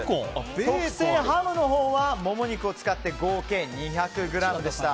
特製ハムのほうはモモ肉を使って合計２００ｇでした。